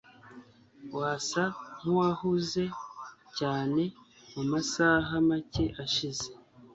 Wasa nkuwahuze cyane mumasaha make ashize.